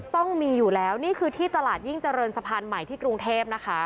ต้องมีอยู่แล้วนี่คือที่ตลาดยิ่งเจริญสะพานใหม่ที่กรุงเทพนะคะ